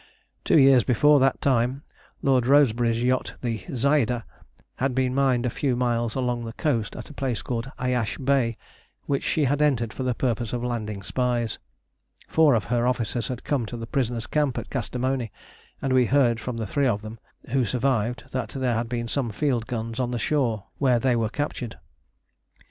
Two years before that time, Lord Rosebery's yacht, the Zaida, had been mined a few miles along the coast at a place called Ayasch Bay, which she had entered for the purpose of landing spies. Four of her officers had come to the prisoners' camp at Kastamoni, and we heard from the three of them who survived that there had been some field guns on the shore where they were captured.